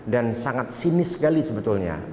dan sangat sinis sekali sebetulnya